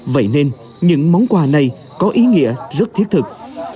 vậy nên những món quà này có ý nghĩa rất thiết thực